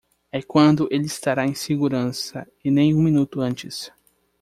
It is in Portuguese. É quando ele estará em segurança e nem um minuto antes.